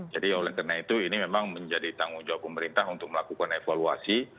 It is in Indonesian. jadi oleh karena itu ini memang menjadi tanggung jawab pemerintah untuk melakukan evaluasi